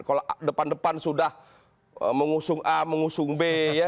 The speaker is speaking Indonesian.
kalau depan depan sudah mengusung a mengusung b ya